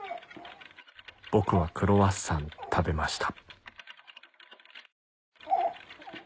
僕はクロワッサン食べました。